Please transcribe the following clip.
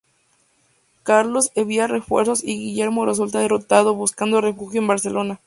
Carlos envía refuerzos y Guillermo resulta derrotado, buscando refugio en Barcelona.